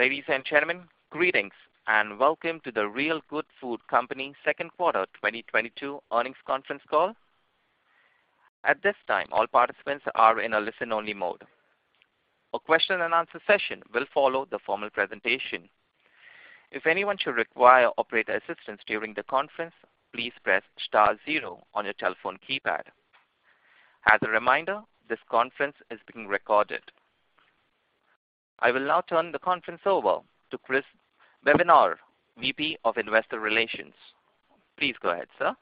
Ladies and gentlemen, greetings and welcome to The Real Good Food Company Q2 2022 earnings Conference Call. At this time, all participants are in a listen-only mode. A question and answer session will follow the formal presentation. If anyone should require operator assistance during the conference, please press star zero on your telephone keypad. As a reminder, this conference is being recorded. I will now turn the conference over to Christopher Bevenour, VP of Investor Relations. Please go ahead, sir.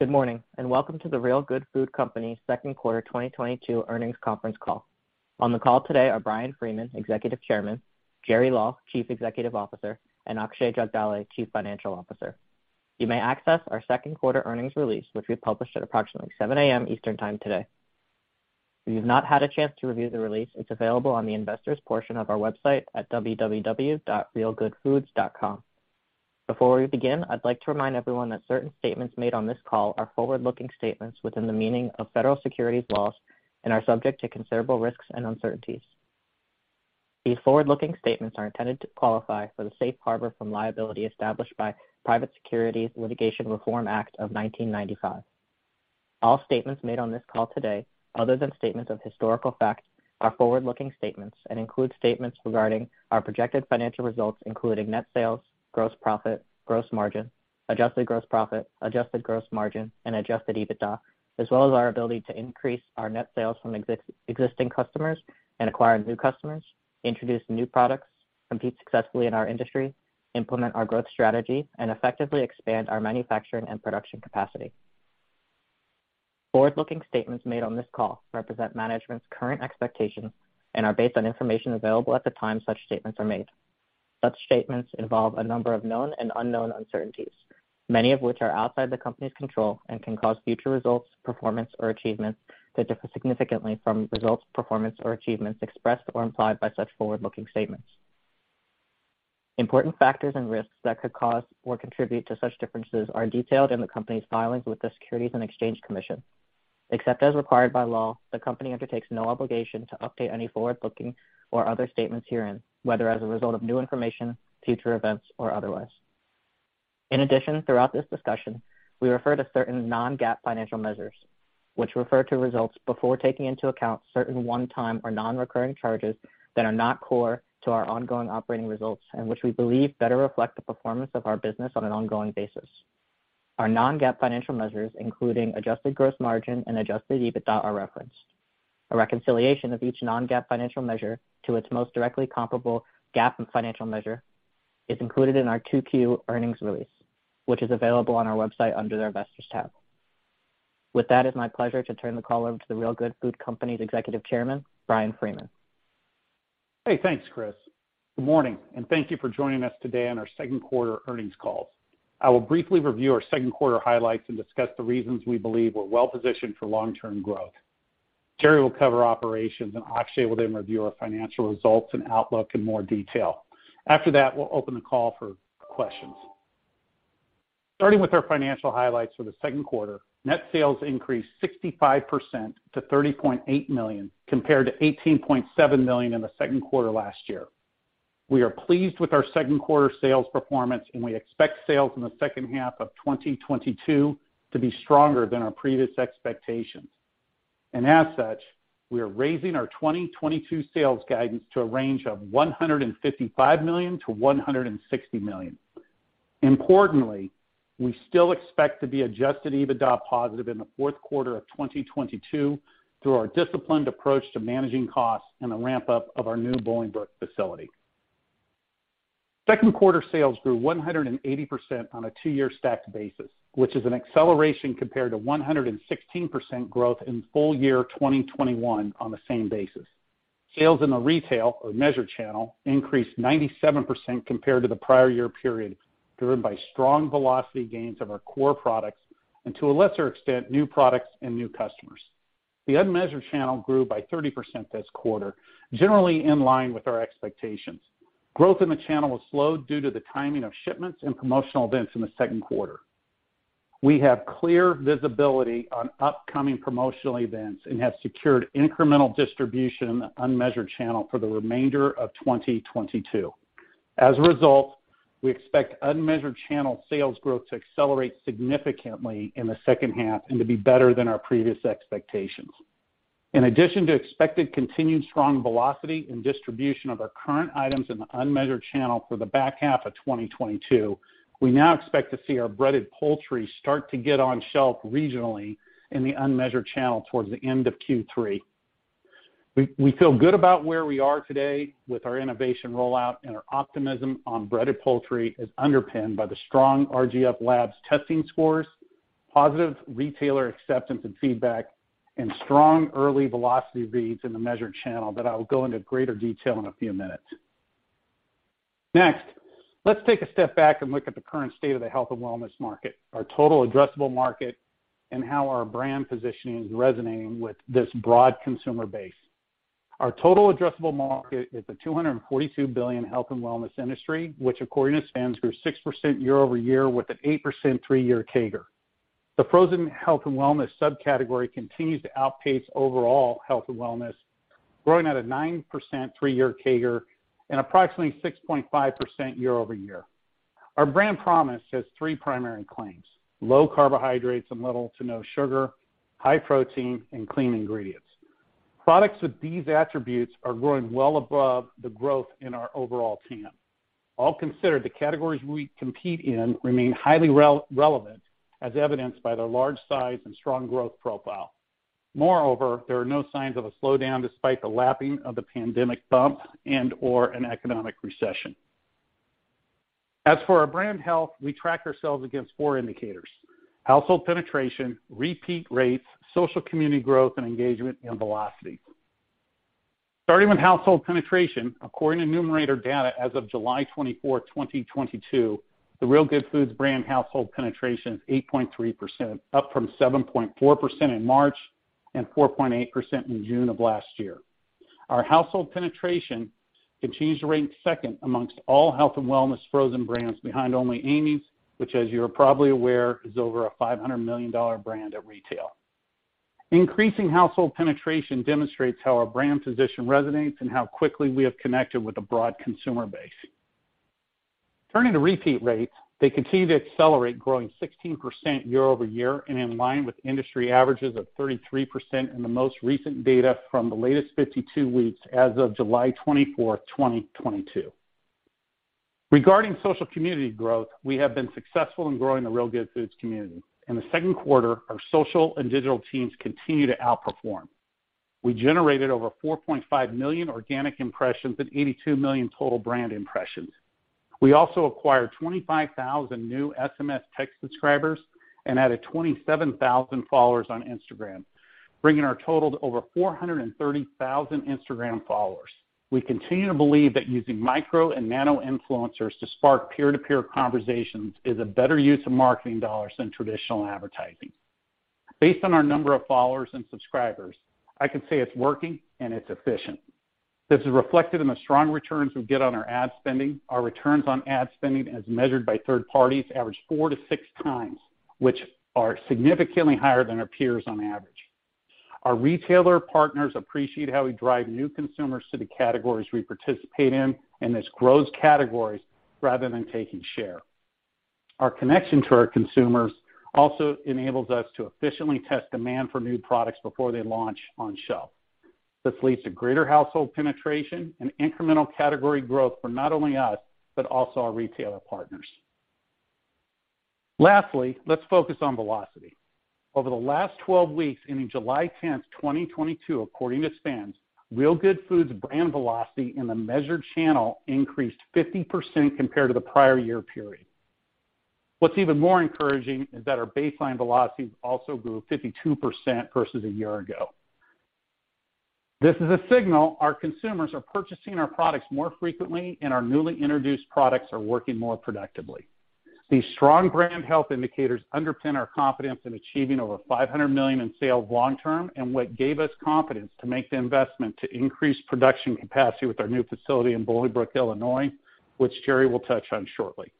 Good morning, and welcome to The Real Good Food Company Q2 2022 earnings Conference Call. On the call today are Bryan Freeman, Executive Chairman, Gerard Law, Chief Executive Officer, and Akshay Jagdale, Chief Financial Officer. You may access our Q2 earnings release, which we published at approximately 7 A.M. Eastern time today. If you've not had a chance to review the release, it's available on the investors portion of our website at www.realgoodfoods.com. Before we begin, I'd like to remind everyone that certain statements made on this call are forward-looking statements within the meaning of Federal securities laws and are subject to considerable risks and uncertainties. These forward-looking statements are intended to qualify for the safe harbor from liability established by Private Securities Litigation Reform Act of 1995. All statements made on this call today, other than statements of historical fact, are forward-looking statements and include statements regarding our projected financial results, including net sales, gross profit, gross margin, adjusted gross profit, adjusted gross margin, and adjusted EBITDA, as well as our ability to increase our net sales from existing customers and acquire new customers, introduce new products, compete successfully in our industry, implement our growth strategy, and effectively expand our manufacturing and production capacity. Forward-looking statements made on this call represent management's current expectations and are based on information available at the time such statements are made. Such statements involve a number of known and unknown uncertainties, many of which are outside the company's control and can cause future results, performance or achievements that differ significantly from results, performance or achievements expressed or implied by such forward-looking statements. Important factors and risks that could cause or contribute to such differences are detailed in the company's filings with the Securities and Exchange Commission. Except as required by law, the company undertakes no obligation to update any forward-looking or other statements herein, whether as a result of new information, future events, or otherwise. In addition, throughout this discussion, we refer to certain non-GAAP financial measures, which refer to results before taking into account certain one-time or non-recurring charges that are not core to our ongoing operating results and which we believe better reflect the performance of our business on an ongoing basis. Our non-GAAP financial measures, including adjusted gross margin and adjusted EBITDA, are referenced. A reconciliation of each non-GAAP financial measure to its most directly comparable GAAP financial measure is included in our Q2 earnings release, which is available on our website under the Investors tab. With that, it's my pleasure to turn the call over to The Real Good Food Company's Executive Chairman, Bryan Freeman. Hey, thanks, Chris. Good morning, and thank you for joining us today on our Q2 earnings call. I will briefly review our Q2 highlights and discuss the reasons we believe we're well-positioned for long-term growth. Gerry will cover operations, and Akshay will then review our financial results and outlook in more detail. After that, we'll open the call for questions. Starting with our financial highlights for the Q2, net sales increased 65% to $30.8 million compared to $18.7 million in the Q2 last-year. We are pleased with our Q2 sales performance, and we expect sales in the second half of 2022 to be stronger than our previous expectations. As such, we are raising our 2022 sales guidance to a range of $155 million-$160 million. Importantly, we still expect to be adjusted EBITDA positive in the Q4 2022 through our disciplined approach to managing costs and the ramp-up of our new Bolingbrook facility. Q2 sales grew 180% on a two-year stacked basis, which is an acceleration compared to 116% growth in full-year 2021 on the same basis. Sales in the retail or measured channel increased 97% compared to the prior year period, driven by strong velocity gains of our core products and, to a lesser extent, new products and new customers. The unmeasured channel grew by 30% this quarter, generally in line with our expectations. Growth in the channel was slowed due to the timing of shipments and promotional events in the Q2. We have clear visibility on upcoming promotional events and have secured incremental distribution in the unmeasured channel for the remainder of 2022. As a result, we expect unmeasured channel sales growth to accelerate significantly in the second half and to be better than our previous expectations. In addition to expected continued strong velocity and distribution of our current items in the unmeasured channel for the back half of 2022, we now expect to see our breaded poultry start to get on shelf regionally in the unmeasured channel towards the end of Q3. We feel good about where we are today with our innovation rollout, and our optimism on breaded poultry is underpinned by the strong RGF Labs testing scores, positive retailer acceptance and feedback, and strong early velocity reads in the measured channel that I will go into greater detail in a few minutes. Next, let's take a step back and look at the current state of the health and wellness market, our total addressable market, and how our brand positioning is resonating with this broad consumer base. Our total addressable market is a $242 billion health and wellness industry, which according to SPINS, grew 6% year-over-year with an 8% three-year CAGR. The frozen health and wellness subcategory continues to outpace overall health and wellness, growing at a 9% three-year CAGR and approximately 6.5% year-over-year. Our brand promise has 3 primary claims. Low carbohydrates and little to no sugar, high-protein, and clean ingredients. Products with these attributes are growing well above the growth in our overall TAM. All considered, the categories we compete in remain highly relevant as evidenced by their large size and strong growth profile. Moreover, there are no signs of a slowdown despite the lapping of the pandemic bump and or an economic recession. As for our brand health, we track ourselves against four indicators. Household penetration, repeat rates, social community growth and engagement, and velocity. Starting with household penetration, according to Numerator data as of July 24, 2022, the Real Good Foods brand household penetration is 8.3%, up from 7.4% in March and 4.8% in June of last-year. Our household penetration continues to rank second among all health and wellness frozen brands behind only Amy's, which as you are probably aware, is over a $500 million brand at retail. Increasing household penetration demonstrates how our brand position resonates and how quickly we have connected with a broad consumer base. Turning to repeat rates, they continue to accelerate, growing 16% year-over-year and in line with industry averages of 33% in the most recent data from the latest 52 weeks as of July 24, 2022. Regarding social community growth, we have been successful in growing the Real Good Foods community. In the Q2, our social and digital teams continue to outperform. We generated over 4.5 million organic impressions and 82 million total brand impressions. We also acquired 25,000 new SMS text subscribers and added 27,000 followers on Instagram, bringing our total to over 430,000 Instagram followers. We continue to believe that using micro and nano influencers to spark peer-to-peer conversations is a better use of marketing dollars than traditional advertising. Based on our number of followers and subscribers, I can say it's working and it's efficient. This is reflected in the strong returns we get on our ad spending. Our returns on ad spending as measured by third parties average 4-6 times, which are significantly higher than our peers on average. Our retailer partners appreciate how we drive new consumers to the categories we participate in, and this grows categories rather than taking share. Our connection to our consumers also enables us to efficiently test demand for new products before they launch on shelf. This leads to greater household penetration and incremental category growth for not only us, but also our retailer partners. Lastly, let's focus on velocity. Over the last 12 weeks ending July 10, 2022, according to SPINS, Real Good Foods brand velocity in the measured channel increased 50% compared to the prior year period. What's even more encouraging is that our baseline velocities also grew 52% versus a year ago. This is a signal our consumers are purchasing our products more frequently and our newly introduced products are working more productively. These strong brand health indicators underpin our confidence in achieving over $500 million in sales long-term, and what gave us confidence to make the investment to increase production capacity with our new facility in Bolingbrook, Illinois, which Gerry will touch on shortly.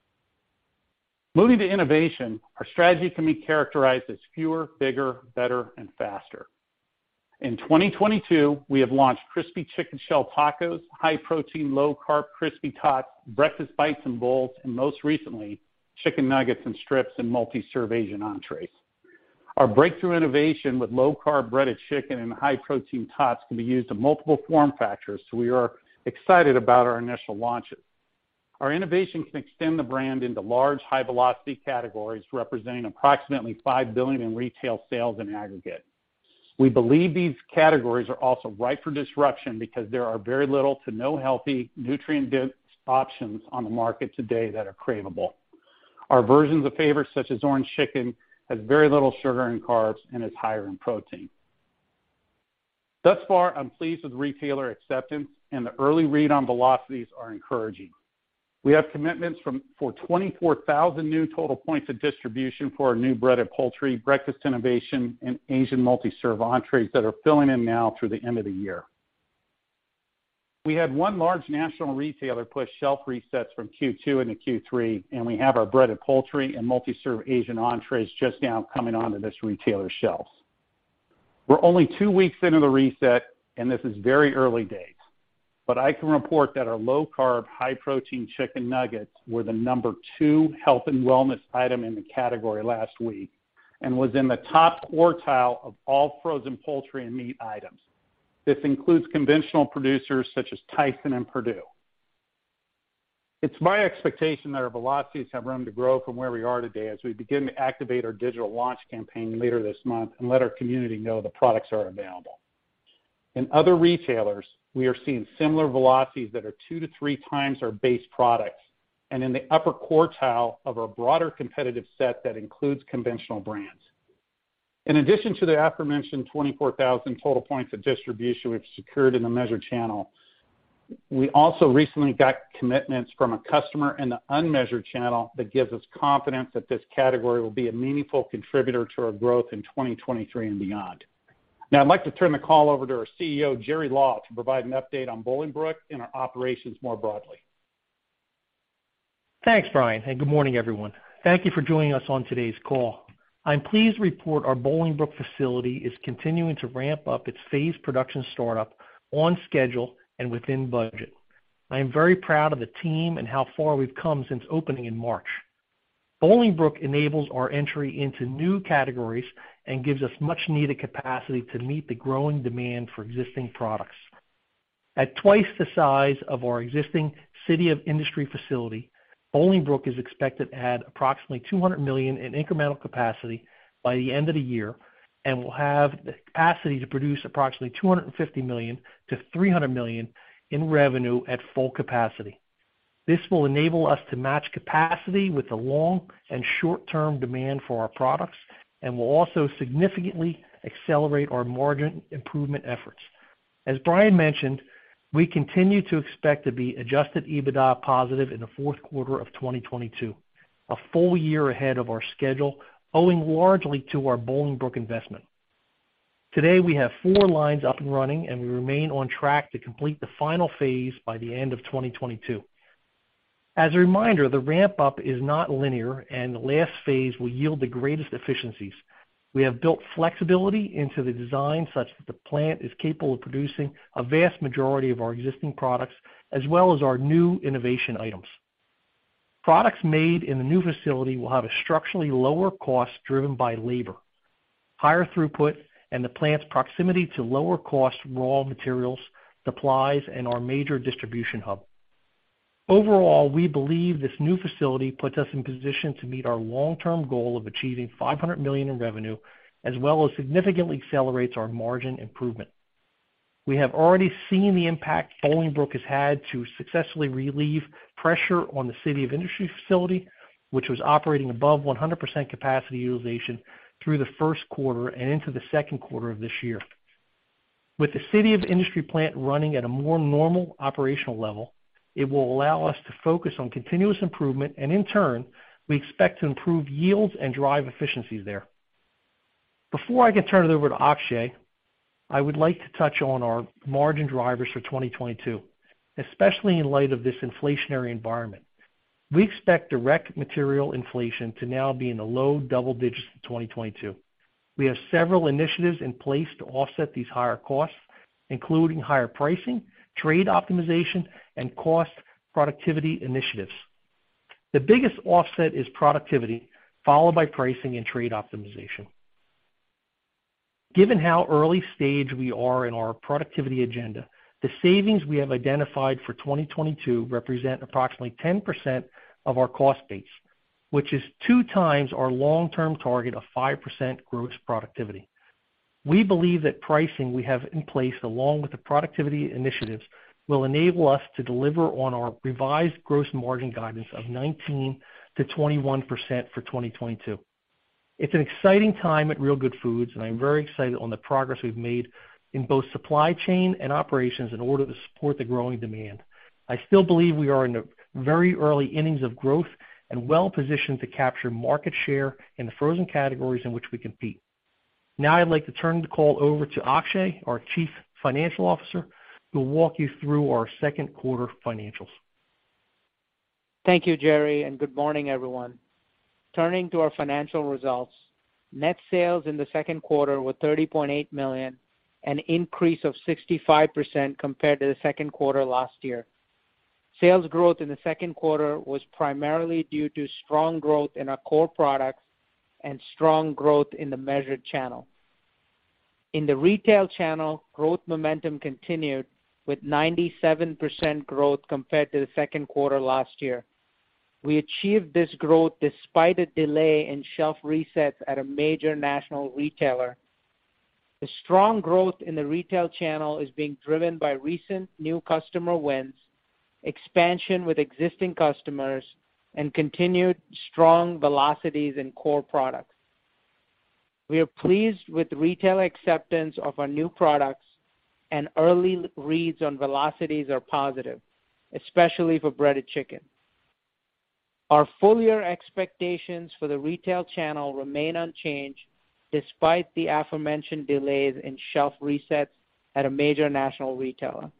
Moving to innovation, our strategy can be characterized as fewer, bigger, better and faster. In 2022, we have launched Crispy Chicken Shell Tacos, high-protein, low-carb Crispy Tots, Breakfast Bites and Bowls, and most recently, Chicken Nuggets and Strips and multi-serve Asian entrees. Our breakthrough innovation with low-carb breaded chicken and high-protein tots can be used in multiple form factors, so we are excited about our initial launches. Our innovation can extend the brand into large, high-velocity categories representing approximately $5 billion in retail sales in aggregate. We believe these categories are also ripe for disruption because there are very little to no healthy nutrient-dense options on the market today that are craveable. Our versions of favorites such as Orange Chicken has very little sugar and carbs and is higher in protein. Thus far, I'm pleased with retailer acceptance and the early read on velocities are encouraging. We have commitments for 24,000 new total points of distribution for our new breaded poultry, breakfast innovation and Asian multi-serve entrees that are filling in now through the end of the year. We had one large national retailer push shelf resets from Q2 into Q3, and we have our breaded poultry and multi-serve Asian entrees just now coming onto this retailer's shelves. We're only two weeks into the reset and this is very early days. I can report that our low-carb, high-protein chicken nuggets were the number 2 health and wellness item in the category last week, and was in the top-quartile of all frozen poultry and meat items. This includes conventional producers such as Tyson and Perdue. It's my expectation that our velocities have room to grow from where we are today as we begin to activate our digital launch campaign later this month and let our community know the products are available. In other retailers, we are seeing similar velocities that are 2-3 times our base products, and in the upper quartile of our broader competitive set that includes conventional brands. In addition to the aforementioned 24,000 total points of distribution we've secured in the measured channel, we also recently got commitments from a customer in the unmeasured channel that gives us confidence that this category will be a meaningful contributor to our growth in 2023 and beyond. Now I'd like to turn the call over to our CEO, Gerard Law, to provide an update on Bolingbrook and our operations more broadly. Thanks, Bryan, and good morning, everyone. Thank you for joining us on today's call. I'm pleased to report our Bolingbrook facility is continuing to ramp up its phased production startup on schedule and within budget. I am very proud of the team and how far we've come since opening in March. Bolingbrook enables our entry into new categories and gives us much-needed capacity to meet the growing demand for existing products. At twice the size of our existing City of Industry facility, Bolingbrook is expected to add approximately $200 million in incremental capacity by the end of the year and will have the capacity to produce approximately $250 million-$300 million in revenue at full capacity. This will enable us to match capacity with the long-term and short-term demand for our products and will also significantly accelerate our margin improvement efforts. As Bryan mentioned, we continue to expect to be adjusted EBITDA positive in the fourth quarter of 2022, a full-year ahead of our schedule, owing largely to our Bolingbrook investment. Today, we have four lines up and running, and we remain on track to complete the final phase by the end of 2022. As a reminder, the ramp-up is not linear, and the last phase will yield the greatest efficiencies. We have built flexibility into the design such that the plant is capable of producing a vast majority of our existing products as well as our new innovation items. Products made in the new facility will have a structurally lower cost driven by labor, higher throughput, and the plant's proximity to lower-cost raw materials, supplies, and our major distribution hub. Overall, we believe this new facility puts us in position to meet our long-term goal of achieving $500 million in revenue as well as significantly accelerates our margin improvement. We have already seen the impact Bolingbrook has had to successfully relieve pressure on the City of Industry facility, which was operating above 100% capacity utilization through the Q1 and into the Q2 of this year. With the City of Industry plant running at a more normal operational level, it will allow us to focus on continuous improvement, and in turn, we expect to improve yields and drive efficiencies there. Before I can turn it over to Akshay, I would like to touch on our margin drivers for 2022, especially in light of this inflationary environment. We expect direct material inflation to now be in the low double digits in 2022. We have several initiatives in place to offset these higher costs, including higher pricing, trade optimization, and cost productivity initiatives. The biggest offset is productivity, followed by pricing and trade optimization. Given how early stage we are in our productivity agenda, the savings we have identified for 2022 represent approximately 10% of our cost base, which is two times our long-term target of 5% gross productivity. We believe that pricing we have in place, along with the productivity initiatives, will enable us to deliver on our revised gross margin guidance of 19%-21% for 2022. It's an exciting time at Real Good Foods, and I'm very excited on the progress we've made in both supply chain and operations in order to support the growing demand. I still believe we are in the very early innings of growth and well-positioned to capture market share in the frozen categories in which we compete. Now I'd like to turn the call over to Akshay, our Chief Financial Officer, who will walk you through our Q2 financials. Thank you, Gerry, and good morning, everyone. Turning to our financial results, net sales in the Q2 were $30.8 million, an increase of 65% compared to the Q2 last-year. Sales growth in the Q2 was primarily due to strong growth in our core products and strong growth in the measured channel. In the retail channel, growth momentum continued with 97% growth compared to the Q2 last-year. We achieved this growth despite a delay in shelf resets at a major national retailer. The strong growth in the retail channel is being driven by recent new customer wins, expansion with existing customers, and continued strong velocities in core products. We are pleased with retail acceptance of our new products and early reads on velocities are positive, especially for breaded chicken. Our full-year expectations for the retail channel remain unchanged despite the aforementioned delays in shelf resets at a major national retailer.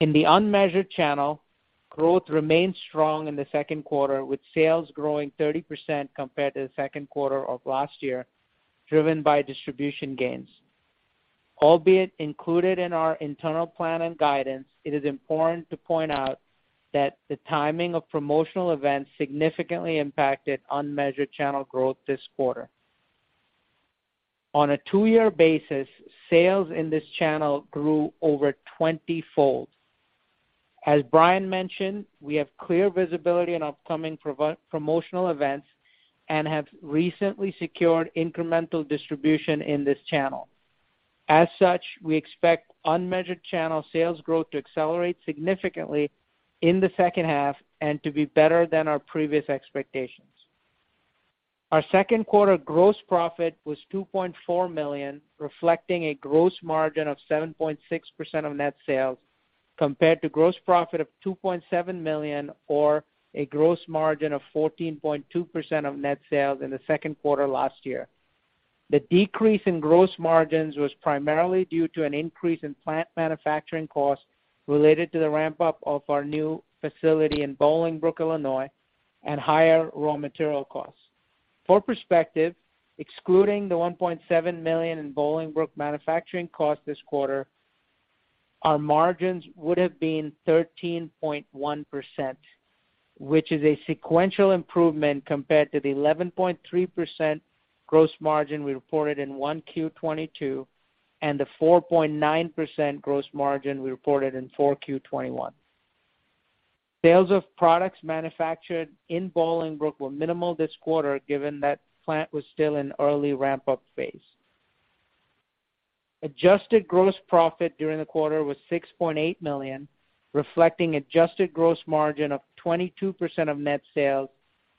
In the unmeasured channel, growth remained strong in the Q2, with sales growing 30% compared to the Q2 of last-year, driven by distribution gains. Albeit included in our internal plan and guidance, it is important to point out that the timing of promotional events significantly impacted unmeasured channel growth this quarter. On a two-year basis, sales in this channel grew over twentyfold. As Bryan mentioned, we have clear visibility in upcoming promotional events and have recently secured incremental distribution in this channel. As such, we expect unmeasured channel sales growth to accelerate significantly in the second half and to be better than our previous expectations. Our Q2 gross profit was $2.4 million, reflecting a gross margin of 7.6% of net sales, compared to gross profit of $2.7 million, or a gross margin of 14.2% of net sales in the Q2 last-year. The decrease in gross margins was primarily due to an increase in plant manufacturing costs related to the ramp-up of our new facility in Bolingbrook, Illinois, and higher raw material costs. For perspective, excluding the $1.7 million in Bolingbrook manufacturing cost this quarter, our margins would have been 13.1%, which is a sequential improvement compared to the 11.3% gross margin we reported in Q1 2022, and the 4.9% gross margin we reported in Q4 2021. Sales of products manufactured in Bolingbrook were minimal this quarter, given that plant was still in early ramp-up phase. Adjusted gross profit during the quarter was $6.8 million, reflecting adjusted gross margin of 22% of net sales,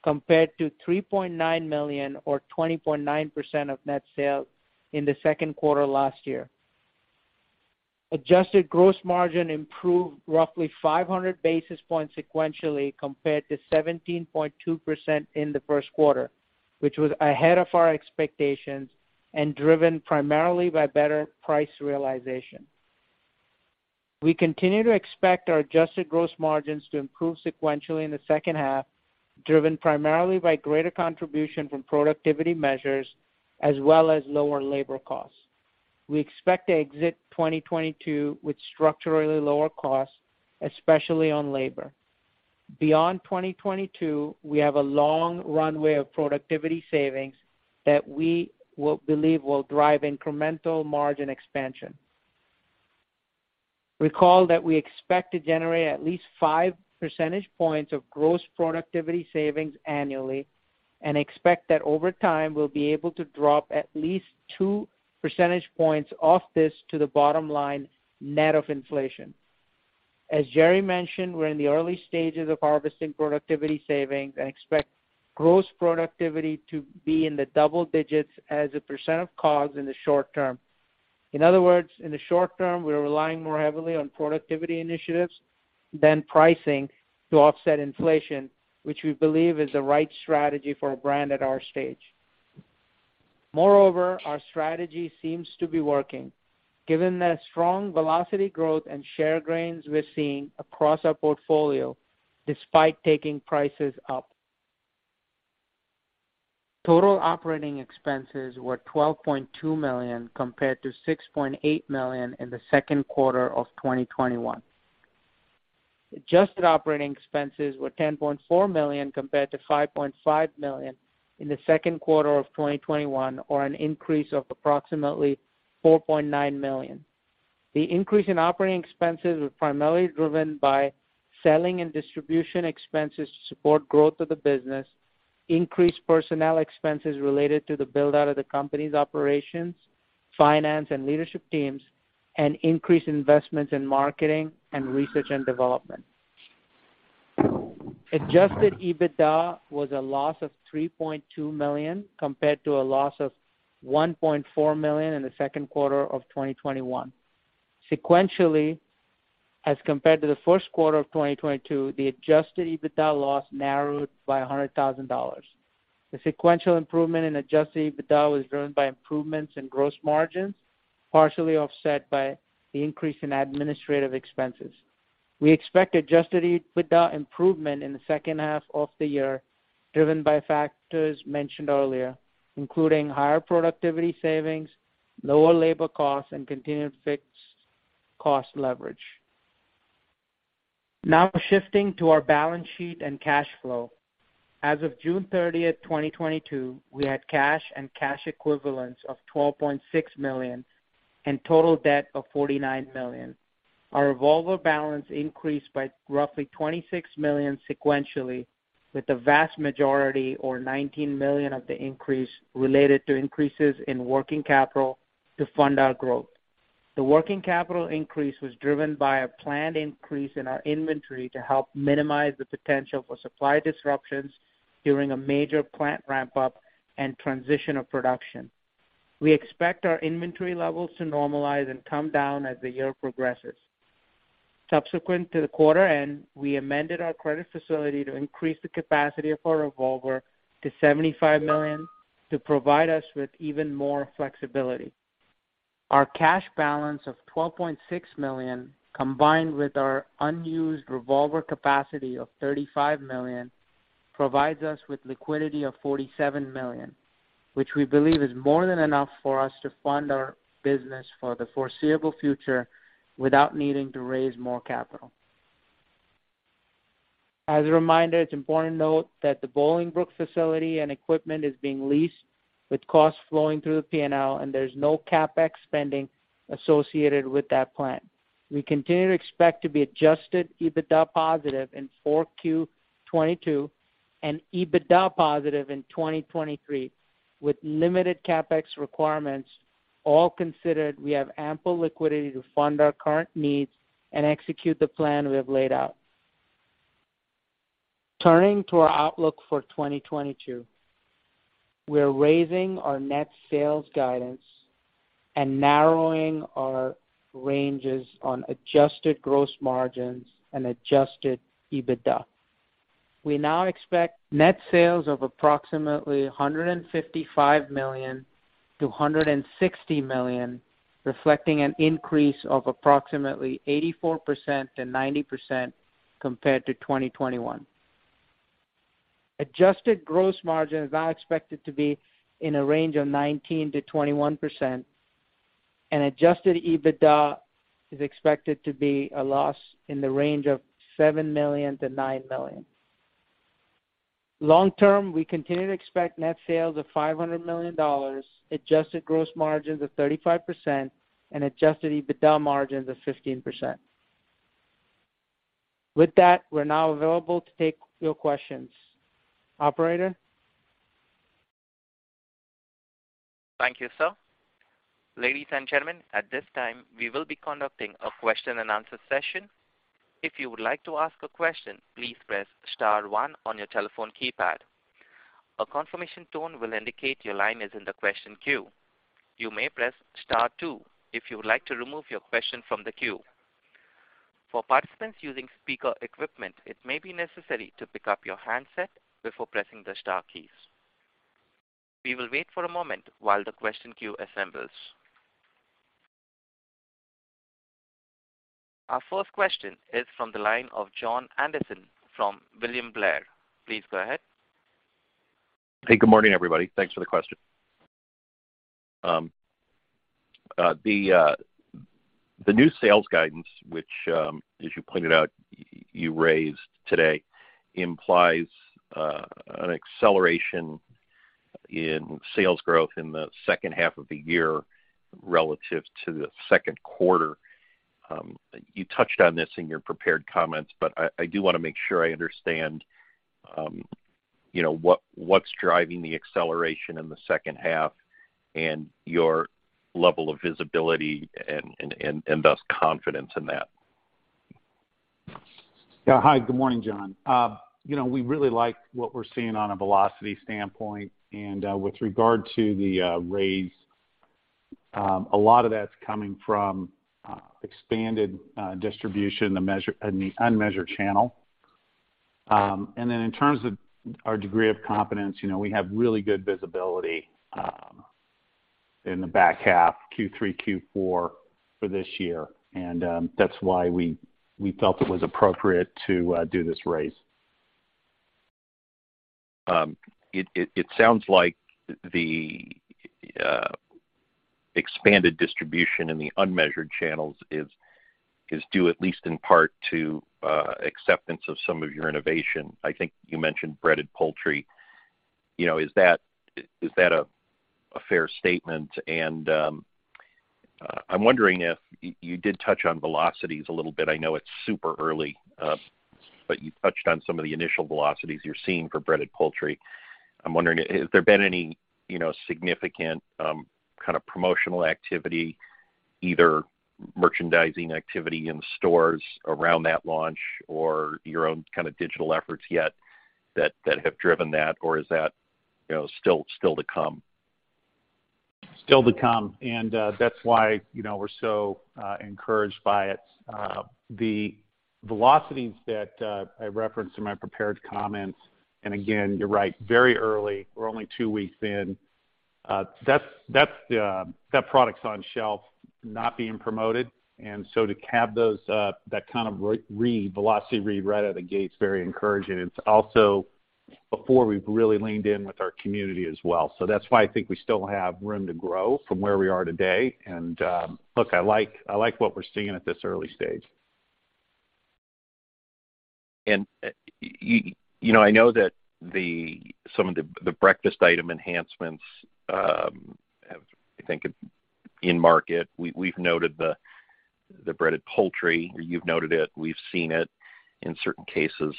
compared to $3.9 million or 20.9% of net sales in the Q2 last-year. Adjusted gross margin improved roughly 500 basis points sequentially compared to 17.2% in the Q1, which was ahead of our expectations and driven primarily by better price realization. We continue to expect our adjusted gross margins to improve sequentially in the second half, driven primarily by greater contribution from productivity measures as well as lower labor costs. We expect to exit 2022 with structurally lower costs, especially on labor. Beyond 2022, we have a long runway of productivity savings that we will believe will drive incremental margin expansion. Recall that we expect to generate at least 5 percentage points of gross productivity savings annually and expect that over time, we'll be able to drop at least 2 percentage points off this to the bottom-line net of inflation. As Gerry mentioned, we're in the early stages of harvesting productivity savings and expect gross productivity to be in the double digits as a % of cost in the short-term. In other words, in the short-term, we are relying more heavily on productivity initiatives than pricing to offset inflation, which we believe is the right strategy for a brand at our stage. Moreover, our strategy seems to be working given the strong velocity growth and share gains we're seeing across our portfolio despite taking prices up. Total operating expenses were $12.2 million, compared to $6.8 million in the Q2 of 2021. Adjusted operating expenses were $10.4 million compared to $5.5 million in the Q2 of 2021, or an increase of approximately $4.9 million. The increase in operating expenses was primarily driven by selling and distribution expenses to support growth of the business, increased personnel expenses related to the build-out of the company's operations, finance, and leadership teams, and increased investments in marketing and research and development. Adjusted EBITDA was a loss of $3.2 million, compared to a loss of $1.4 million in the Q2 of 2021. Sequentially, as compared to the Q1 of 2022, the adjusted EBITDA loss narrowed by $100,000. The sequential improvement in adjusted EBITDA was driven by improvements in gross margins, partially offset by the increase in administrative expenses. We expect adjusted EBITDA improvement in the second half of the year, driven by factors mentioned earlier, including higher productivity savings, lower labor costs, and continued fixed cost leverage. Now shifting to our balance sheet and cash flow. As of June 30, 2022, we had cash and cash equivalents of $12.6 million and total debt of $49 million. Our revolver balance increased by roughly $26 million sequentially, with the vast majority or $19 million of the increase related to increases in working capital to fund our growth. The working capital increase was driven by a planned increase in our inventory to help minimize the potential for supply disruptions during a major plant ramp-up and transition of production. We expect our inventory levels to normalize and come down as the year progresses. Subsequent to the quarter end, we amended our credit facility to increase the capacity of our revolver to $75 million to provide us with even more flexibility. Our cash balance of $12.6 million, combined with our unused revolver capacity of $35 million, provides us with liquidity of $47 million, which we believe is more than enough for us to fund our business for the foreseeable future without needing to raise more capital. As a reminder, it's important to note that the Bolingbrook facility and equipment is being leased with costs flowing through the P&L, and there's no CapEx spending associated with that plan. We continue to expect to be adjusted EBITDA positive in Q4 2022 and EBITDA positive in 2023 with limited CapEx requirements. All considered, we have ample liquidity to fund our current needs and execute the plan we have laid out. Turning to our outlook for 2022. We're raising our net sales guidance and narrowing our ranges on adjusted gross margins and adjusted EBITDA. We now expect net sales of approximately $155 million-$160 million, reflecting an increase of approximately 84%-90% compared to 2021. Adjusted gross margin is now expected to be in a range of 19%-21%, and adjusted EBITDA is expected to be a loss in the range of $7 million-$9 million. Long-term, we continue to expect net sales of $500 million, adjusted gross margins of 35% and adjusted EBITDA margins of 15%. With that, we're now available to take your questions. Operator? Thank you, sir. Ladies and gentlemen, at this time, we will be conducting a question and answer session. If you would like to ask a question, please press star one on your telephone keypad. A confirmation tone will indicate your line is in the question queue. You may press star two if you would like to remove your question from the queue. For participants using speaker equipment, it may be necessary to pick up your handset before pressing the star keys. We will wait for a moment while the question queue assembles. Our first question is from the line of Jon Andersen from William Blair. Please go ahead. Hey, good morning, everybody. Thanks for the question. The new sales guidance, which, as you pointed out, you raised today, implies an acceleration in sales growth in the second half of the year relative to the Q2. You touched on this in your prepared comments, but I do wanna make sure I understand, you know, what's driving the acceleration in the second half and your level of visibility and thus confidence in that. Yeah. Hi, good morning, John. You know, we really like what we're seeing on a velocity standpoint. With regard to the raise, a lot of that's coming from expanded distribution in the unmeasured channel. In terms of our degree of confidence, you know, we have really good visibility in the back half, Q3, Q4 for this year. That's why we felt it was appropriate to do this raise. It sounds like the expanded distribution in the unmeasured channels is due at least in part to acceptance of some of your innovation. I think you mentioned breaded poultry. You know, is that a fair statement? I'm wondering if you did touch on velocities a little bit. I know it's super early, but you touched on some of the initial velocities you're seeing for breaded poultry. I'm wondering, has there been any, you know, significant kind of promotional activity, either merchandising activity in the stores around that launch or your own kind of digital efforts yet that have driven that, or is that, you know, still to come? Still to come, that's why, you know, we're so encouraged by it. The velocities that I referenced in my prepared comments, and again, you're right, very early, we're only two weeks in. That's that product's on shelf not being promoted. To have those, that kind of read velocity right out of the gate is very encouraging. It's also before we've really leaned in with our community as well. That's why I think we still have room to grow from where we are today. Look, I like what we're seeing at this early stage. You know, I know that some of the breakfast item enhancements have, I think, in market. We've noted the breaded poultry. You've noted it. We've seen it in certain cases.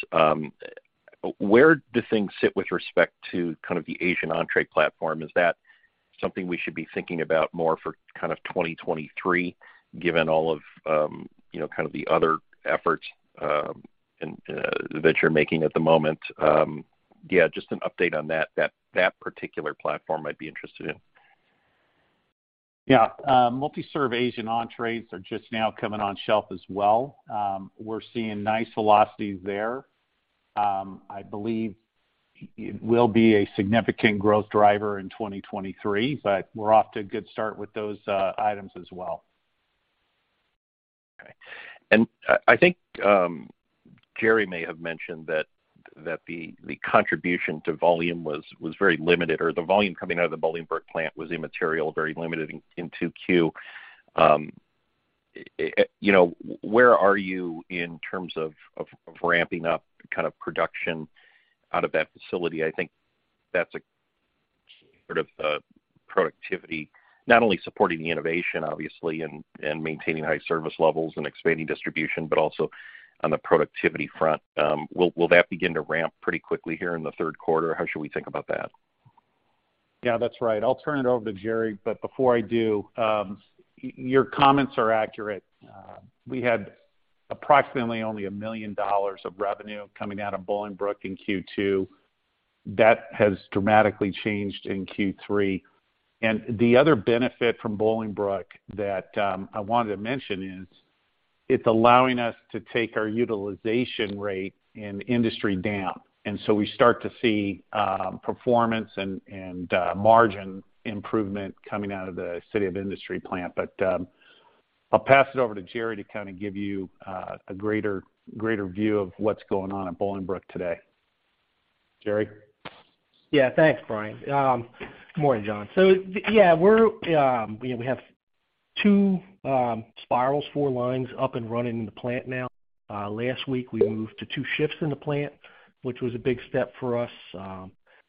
Where do things sit with respect to kind of the Asian entree platform? Is that something we should be thinking about more for kind of 2023, given all of, you know, kind of the other efforts, and that you're making at the moment? Yeah, just an update on that particular platform I'd be interested in. Multi-Serve Asian Entrees are just now coming on shelf as well. We're seeing nice velocities there. I believe it will be a significant growth driver in 2023. We're off to a good start with those items as well. Okay. I think Gerry may have mentioned that the contribution to volume was very limited or the volume coming out of the Bolingbrook plant was immaterial, very limited in Q2. You know, where are you in terms of ramping up kind of production out of that facility? I think that's a sort of productivity, not only supporting the innovation obviously and maintaining high-service levels and expanding distribution, but also on the productivity front. Will that begin to ramp pretty quickly here in the Q3? How should we think about that? Yeah, that's right. I'll turn it over to Gerry, but before I do, your comments are accurate. We had approximately only $1 million of revenue coming out of Bolingbrook in Q2. That has dramatically changed in Q3. The other benefit from Bolingbrook that I wanted to mention is it's allowing us to take our utilization rate in Industry down. We start to see performance and margin improvement coming out of the City of Industry plant. I'll pass it over to Gerry to kind of give you a greater view of what's going on at Bolingbrook today. Gerry? Yeah. Thanks, Brian. Good morning, John. Yeah, we have 2 spirals, 4 lines up and running in the plant now. Last week, we moved to 2 shifts in the plant, which was a big step for us.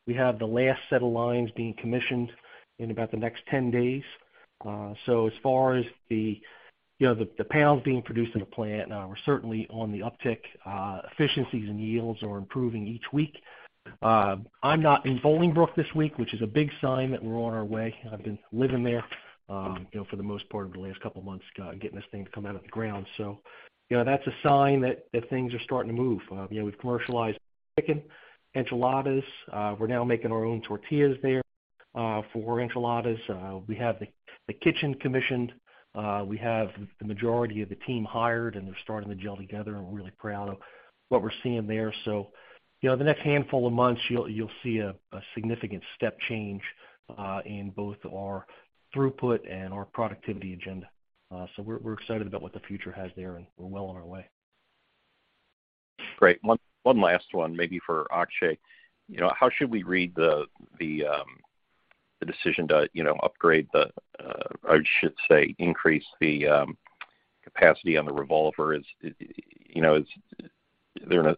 We have the last set of lines being commissioned in about the next 10 days. As far as, you know, the panels being produced in the plant, we're certainly on the uptick. Efficiencies and yields are improving each week. I'm not in Bolingbrook this week, which is a big sign that we're on our way. I've been living there, you know, for the most part over the last couple of months, getting this thing to come out of the ground. You know, that's a sign that things are starting to move. You know, we've commercialized chicken, enchiladas, we're now making our own tortillas there, for enchiladas. We have the kitchen commissioned. We have the majority of the team hired, and they're starting to gel together, and we're really proud of what we're seeing there. You know, the next handful of months, you'll see a significant step change in both our throughput and our productivity agenda. We're excited about what the future has there, and we're well on our way. Great. One last one maybe for Akshay. You know, how should we read the decision to, you know, upgrade the or I should say, increase the capacity on the revolver? You know, is there an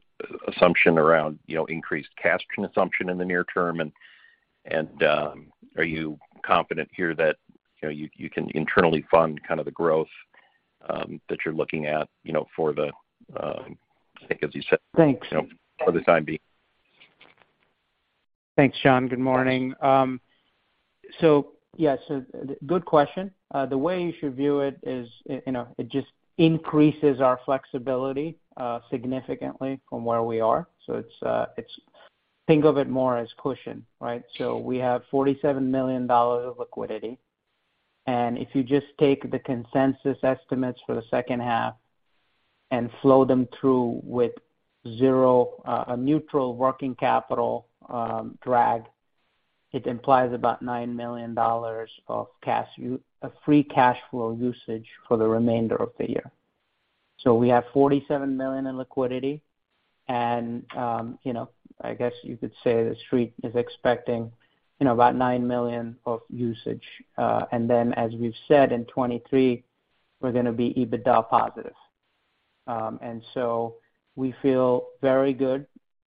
assumption around, you know, increased cash assumption in the near term? And are you confident here that, you know, you can internally fund kind of the growth that you're looking at, you know, for the I think as you said- Thanks. You know, for the time being. Thanks, Jon. Good morning. Good question. The way you should view it is, you know, it just increases our flexibility significantly from where we are. It's. Think of it more as cushion, right? We have $47 million of liquidity. If you just take the consensus estimates for the second half and flow them through with zero, a neutral working capital drag, it implies about $9 million of free cash flow usage for the remainder of the year. We have $47 million in liquidity and, you know, I guess you could say the Street is expecting, you know, about $9 million of usage. As we've said in 2023, we're gonna be EBITDA positive. We feel very good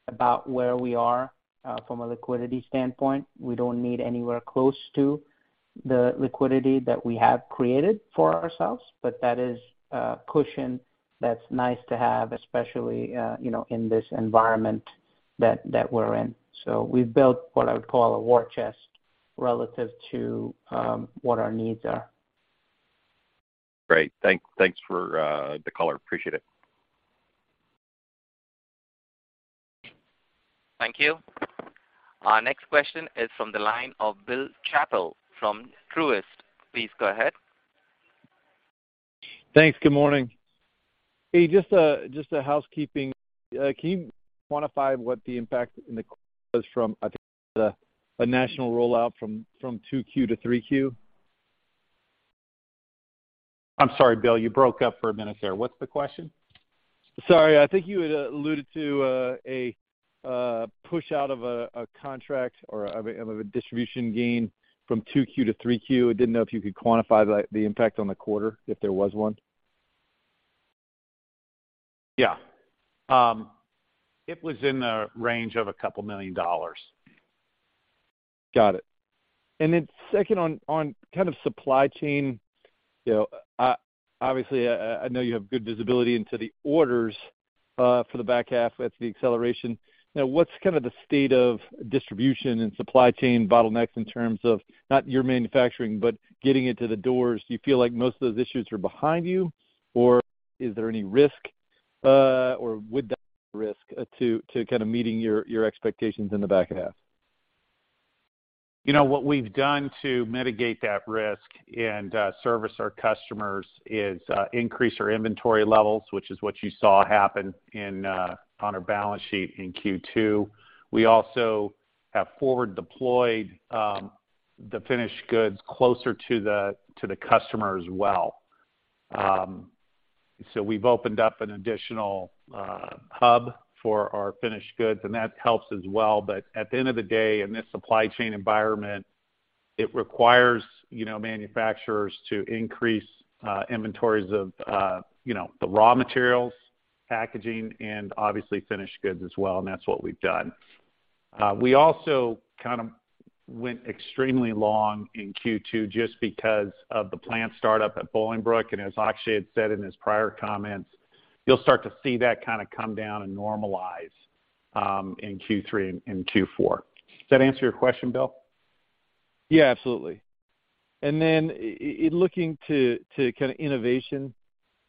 about where we are from a liquidity standpoint. We don't need anywhere close to the liquidity that we have created for ourselves, but that is a cushion that's nice to have, especially you know, in this environment that we're in. We've built what I would call a war chest relative to what our needs are. Great. Thanks for the color. Appreciate it. Thank you. Our next question is from the line of Bill Chappell from Truist. Please go ahead. Thanks. Good morning. Hey, just a housekeeping. Can you quantify what the impact in Q3 was from, I think, a national rollout from Q2 to Q3? I'm sorry, Bill, you broke up for a minute there. What's the question? Sorry. I think you had alluded to a push out of a contract or of a distribution gain from Q2 to Q3. I didn't know if you could quantify the impact on the quarter, if there was one. Yeah. It was in the range of $2 million. Got it. Second on kind of supply chain. You know, obviously I know you have good visibility into the orders for the back half. That's the acceleration. Now, what's kind of the state of distribution and supply chain bottlenecks in terms of not your manufacturing, but getting it to the doors? Do you feel like most of those issues are behind you, or is there any risk, or would that risk to kind of meeting your expectations in the back half? You know, what we've done to mitigate that risk and service our customers is increase our inventory levels, which is what you saw happen on our balance sheet in Q2. We also have forward deployed the finished goods closer to the customer as well. We've opened up an additional hub for our finished goods, and that helps as well. At the end of the day, in this supply chain environment, it requires, you know, manufacturers to increase inventories of, you know, the raw materials, packaging, and obviously finished goods as well, and that's what we've done. We also kind of went extremely long in Q2 just because of the plant startup at Bolingbrook. As Akshay had said in his prior comments, you'll start to see that kind of come down and normalize, in Q3 and in Q4. Does that answer your question, Bill? Yeah, absolutely. In looking to kind of innovation,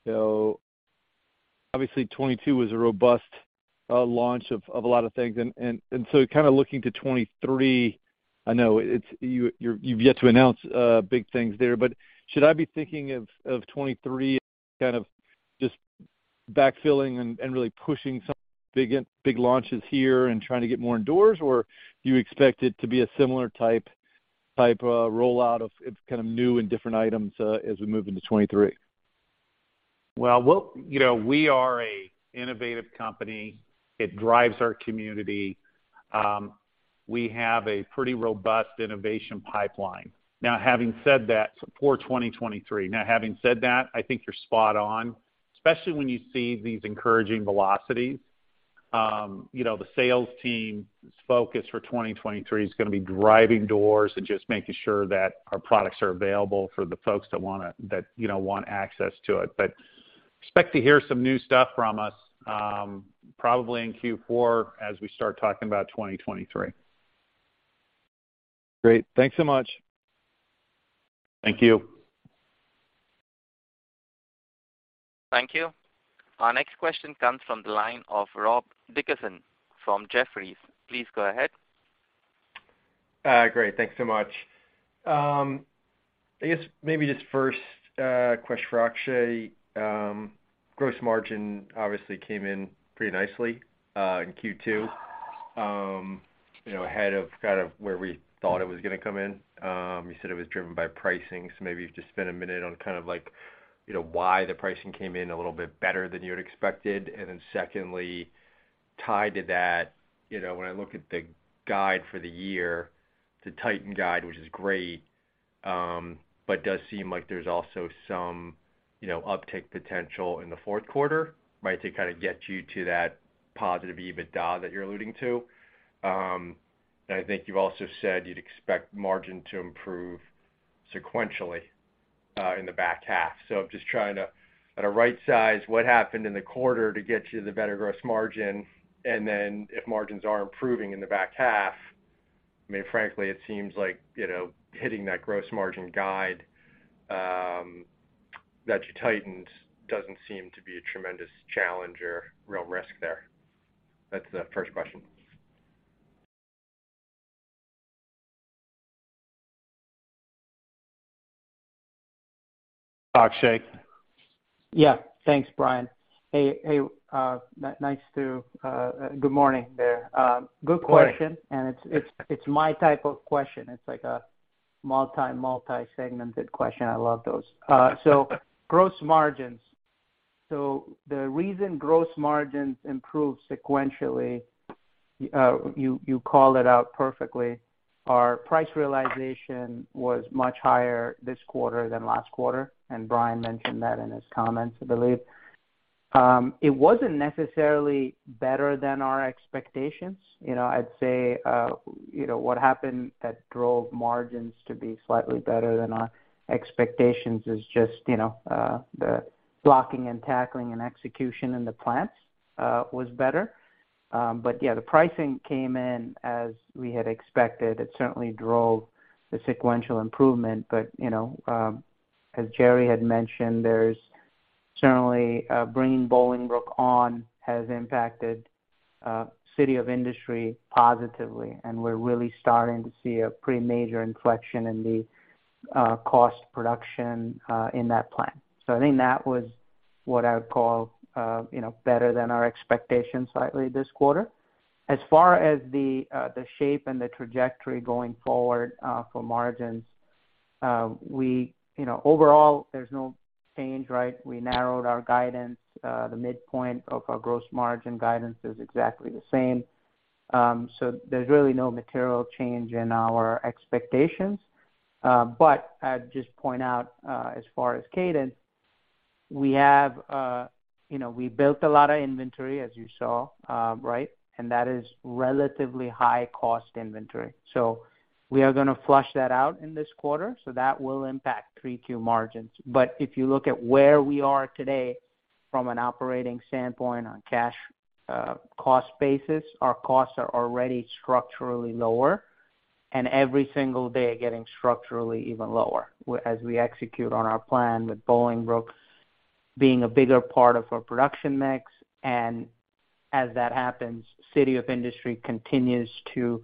you know, obviously 2022 was a robust launch of a lot of things. So kind of looking to 2023, I know you've yet to announce big things there, but should I be thinking of 2023 as kind of just backfilling and really pushing some big launches here and trying to get more doors? Or do you expect it to be a similar type rollout of kind of new and different items as we move into 2023? You know, we are an innovative company. It drives our community. We have a pretty robust innovation pipeline. Now, having said that, for 2023, I think you're spot on, especially when you see these encouraging velocities. You know, the sales team's focus for 2023 is gonna be driving doors and just making sure that our products are available for the folks that want access to it. Expect to hear some new stuff from us, probably in Q4 as we start talking about 2023. Great. Thanks so much. Thank you. Thank you. Our next question comes from the line of Rob Dickerson from Jefferies. Please go ahead. Great. Thanks so much. I guess maybe just first, question for Akshay. Gross margin obviously came in pretty nicely in Q2. You know, ahead of kind of where we thought it was gonna come in. You said it was driven by pricing, so maybe if you could spend a minute on kind of like, you know, why the pricing came in a little bit better than you had expected. Then secondly, tied to that, you know, when I look at the guide for the year, the tightened guide, which is great, but does seem like there's also some, you know, uptick potential in the fourth quarter, right? To kind of get you to that positive EBITDA that you're alluding to. I think you've also said you'd expect margin to improve sequentially in the back half. I'm just trying to kind of right size what happened in the quarter to get you the better gross margin. If margins are improving in the back half, I mean, frankly, it seems like, you know, hitting that gross margin guide, that you tightened doesn't seem to be a tremendous challenge or real risk there. That's the first question. Akshay. Yeah. Thanks, Brian. Hey, good morning there. Good question. Morning. It's my type of question. It's like a multi-segmented question. I love those. Gross margins. The reason gross margins improved sequentially, you called it out perfectly. Our price realization was much higher this quarter than last quarter, and Brian mentioned that in his comments, I believe. It wasn't necessarily better than our expectations. You know, I'd say, you know, what happened that drove margins to be slightly better than our expectations is the blocking and tackling and execution in the plants was better. But yeah, the pricing came in as we had expected. It certainly drove the sequential improvement. You know, as Gerry had mentioned, there's certainly bringing Bolingbrook on has impacted the City of Industry positively, and we're really starting to see a pretty major inflection in the cost of production in that plant. I think that was what I would call you know better than our expectations slightly this quarter. As far as the shape and the trajectory going forward for margins, you know, overall, there's no change, right? We narrowed our guidance. The midpoint of our gross margin guidance is exactly the same. There's really no material change in our expectations. But I'd just point out, as far as cadence, we have you know we built a lot of inventory as you saw right? And that is relatively high-cost inventory. We are gonna flush that out in this quarter, so that will impact Q3 margins. If you look at where we are today from an operating standpoint on cash cost basis, our costs are already structurally lower, and every single day getting structurally even lower as we execute on our plan, with Bolingbrook being a bigger part of our production mix. As that happens, City of Industry continues to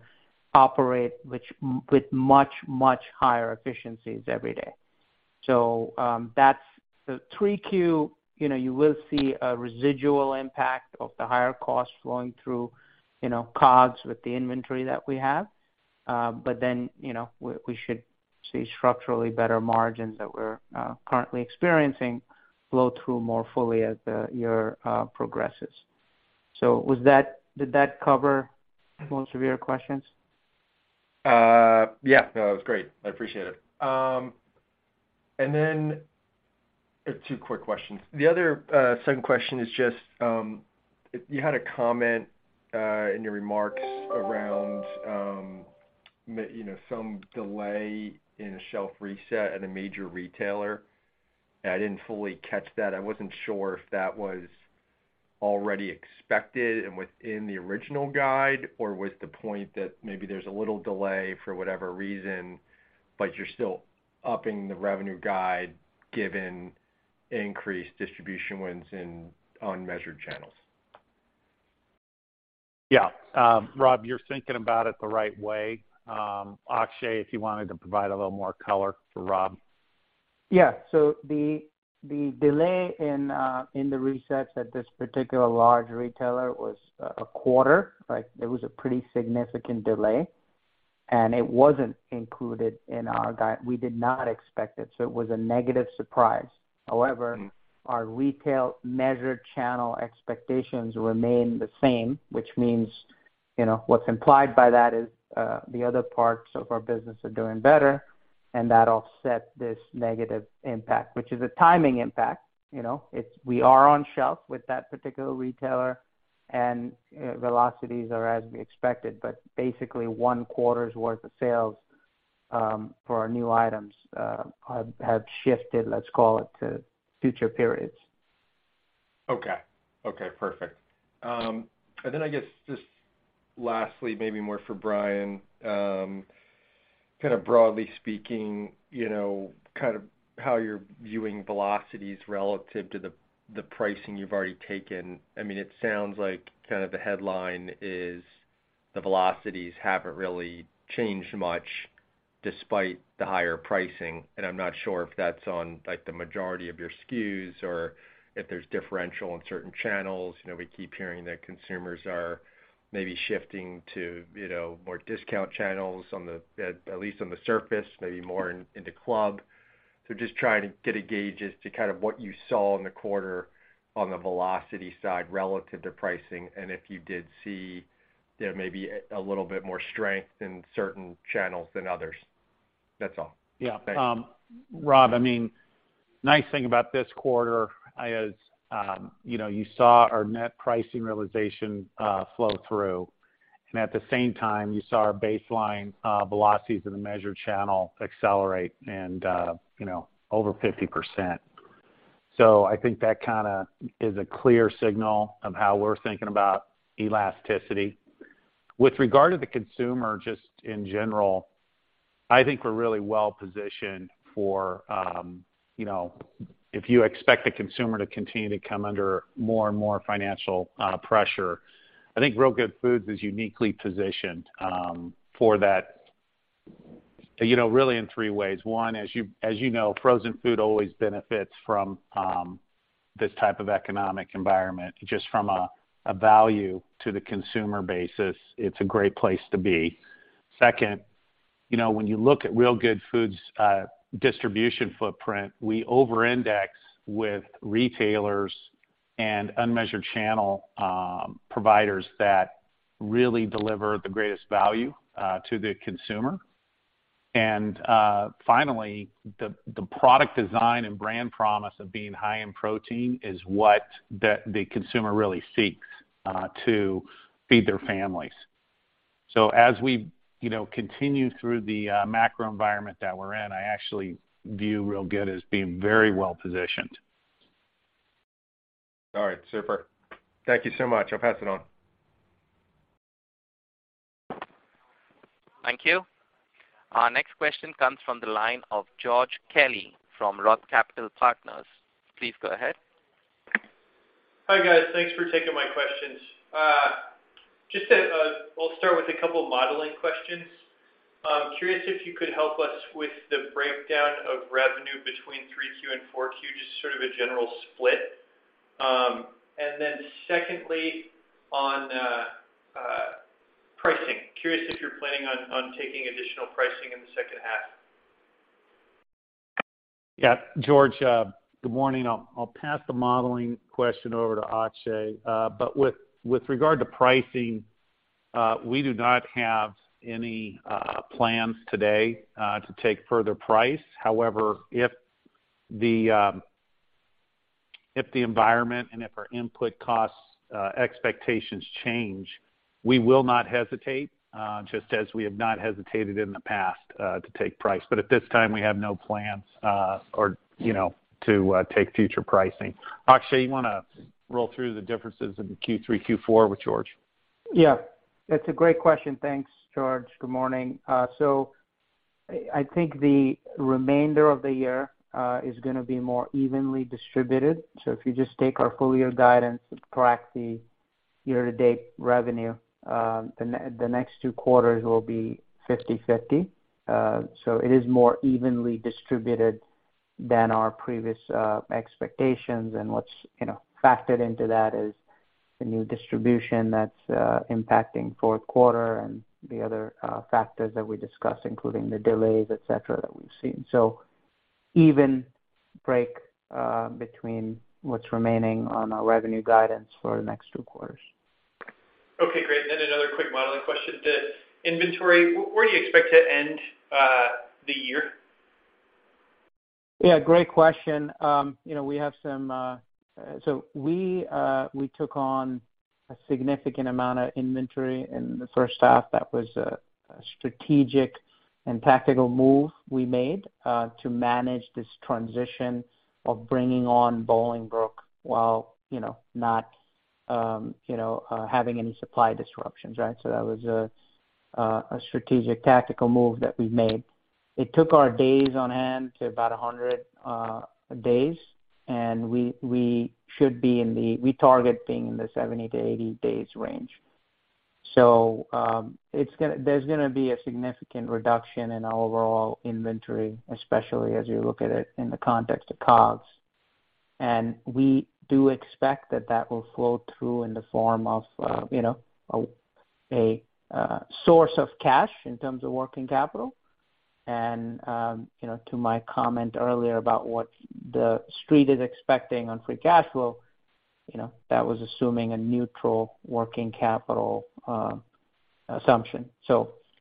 operate with much, much higher efficiencies every day. Q3, you know, you will see a residual impact of the higher costs flowing through, you know, COGS with the inventory that we have. You know, we should see structurally better margins that we're currently experiencing flow through more fully as the year progresses. Did that cover most of your questions? Yeah, no, it was great. I appreciate it. Two quick questions. The other second question is just, you had a comment in your remarks around you know some delay in a shelf reset at a major retailer. I didn't fully catch that. I wasn't sure if that was already expected and within the original guide or was the point that maybe there's a little delay for whatever reason, but you're still upping the revenue guide given increased distribution wins in unmeasured channels. Yeah. Rob, you're thinking about it the right way. Akshay, if you wanted to provide a little more color for Rob. Yeah. The delay in the resets at this particular large retailer was a quarter. Like, it was a pretty significant delay, and it wasn't included in our guide. We did not expect it, so it was a negative surprise. However. Mm-hmm. Our retail measured channel expectations remain the same, which means, you know, what's implied by that is, the other parts of our business are doing better and that'll set this negative impact, which is a timing impact, you know. We are on shelf with that particular retailer and velocities are as we expected. Basically, one quarter's worth of sales, for our new items, have shifted, let's call it, to future periods. Okay, perfect. I guess just lastly, maybe more for Bryan, kind of broadly speaking, you know, kind of how you're viewing velocities relative to the pricing you've already taken. I mean, it sounds like kind of the headline is the velocities haven't really changed much despite the higher pricing, and I'm not sure if that's on, like, the majority of your SKUs or if there's differential on certain channels. You know, we keep hearing that consumers are maybe shifting to, you know, more discount channels at least on the surface, maybe more in the club. Just trying to get a gauge as to kind of what you saw in the quarter on the velocity side relative to pricing, and if you did see there may be a little bit more strength in certain channels than others. That's all. Yeah. Thanks. Rob, I mean, nice thing about this quarter is, you know, you saw our net pricing realization flow through, and at the same time, you saw our baseline velocities in the measured channel accelerate and, you know, over 50%. So I think that kinda is a clear signal of how we're thinking about elasticity. With regard to the consumer, just in general, I think we're really well positioned for, you know, if you expect the consumer to continue to come under more and more financial pressure, I think Real Good Foods is uniquely positioned, for that, you know, really in three ways. One, as you, as you know, frozen food always benefits from, this type of economic environment. Just from a value to the consumer basis, it's a great place to be. Second, you know, when you look at Real Good Foods' distribution footprint, we over-index with retailers and unmeasured channel providers that really deliver the greatest value to the consumer. Finally, the product design and brand promise of being high in protein is what the consumer really seeks to feed their families. As we, you know, continue through the macro environment that we're in, I actually view Real Good as being very well-positioned. All right. Super. Thank you so much. I'll pass it on. Thank you. Our next question comes from the line of George Kelly from Roth Capital Partners. Please go ahead. Hi, guys. Thanks for taking my questions. I'll start with a couple modeling questions. I'm curious if you could help us with the breakdown of revenue between Q3 and Q4, just sort of a general split. Secondly, on pricing, curious if you're planning on taking additional pricing in the second half. Yeah. George, good morning. I'll pass the modeling question over to Akshay. But with regard to pricing, we do not have any plans today to take further price. However, if the environment and if our input costs expectations change, we will not hesitate, just as we have not hesitated in the past, to take price. But at this time, we have no plans, you know, to take future pricing. Akshay, you wanna roll through the differences in the Q3, Q4 with George? Yeah, that's a great question. Thanks, George. Good morning. I think the remainder of the year is gonna be more evenly distributed. If you just take our full-year guidance and track the year-to-date revenue, the next two quarters will be 50/50. It is more evenly distributed than our previous expectations, and what's, you know, factored into that is the new distribution that's impacting fourth quarter and the other factors that we discussed, including the delays, et cetera, that we've seen. Even break between what's remaining on our revenue guidance for the next two quarters. Okay, great. Another quick modeling question. The inventory, where do you expect to end the year? Yeah, great question. You know, we took on a significant amount of inventory in the first half. That was a strategic and tactical move we made to manage this transition of bringing on Bolingbrook while you know not having any supply disruptions, right? It took our days on hand to about 100 days, and we target being in the 70-80 days range. There's gonna be a significant reduction in our overall inventory, especially as you look at it in the context of COGS. We do expect that will flow through in the form of you know a source of cash in terms of working capital. You know, to my comment earlier about what the Street is expecting on free cash flow, you know, that was assuming a neutral working capital assumption.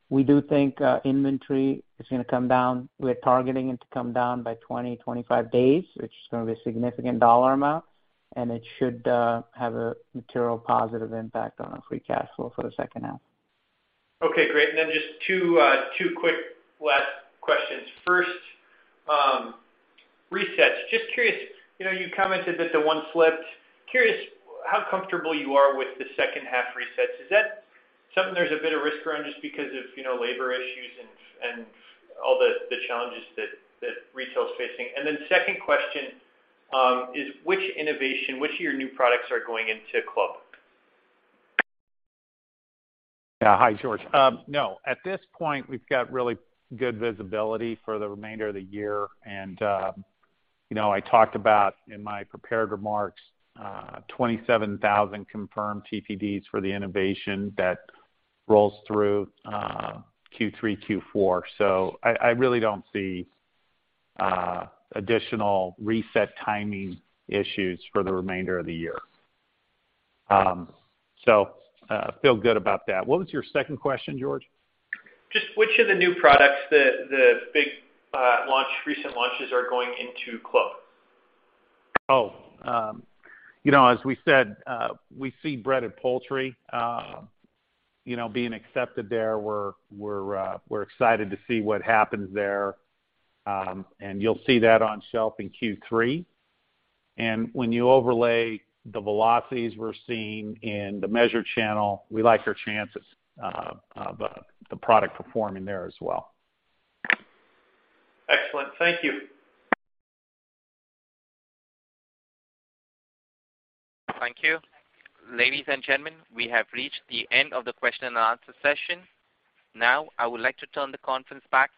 We do think inventory is gonna come down. We're targeting it to come down by 20-25 days, which is gonna be a significant dollar amount, and it should have a material positive impact on our free cash flow for the second half. Okay, great. Just two quick last questions. First, resets. Just curious, you know, you commented that the one slipped. Curious how comfortable you are with the second half resets. Is that something there's a bit of risk around just because of, you know, labor issues and all the challenges that retail is facing? Second question is which innovation, which of your new products are going into club? Yeah. Hi, George. No, at this point, we've got really good visibility for the remainder of the year. You know, I talked about in my prepared remarks, 27,000 confirmed TPD for the innovation that rolls through Q3, Q4. I really don't see additional reset timing issues for the remainder of the year. Feel good about that. What was your second question, George? Just which of the new products, the big recent launches are going into club? You know, as we said, we see breaded poultry you know being accepted there. We're excited to see what happens there. You'll see that on shelf in Q3. When you overlay the velocities we're seeing in the measured channel, we like our chances of the product performing there as well. Excellent. Thank you. Thank you. Ladies and gentlemen, we have reached the end of the question and answer session. Now, I would like to turn the conference back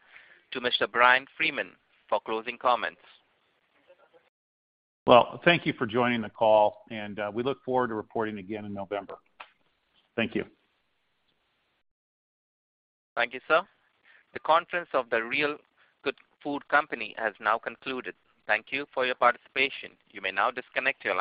to Mr. Bryan Freeman for closing comments. Well, thank you for joining the call, and we look forward to reporting again in November. Thank you. Thank you, sir. The conference of The Real Good Food Company has now concluded. Thank you for your participation. You may now disconnect your lines.